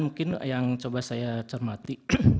mungkin yang coba saya cermati